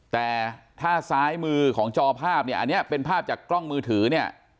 แต่ถ้าซ้ายมือของจอภาพเนี่ยอันนี้เป็นภาพจากกล้องมือถือเนี่ย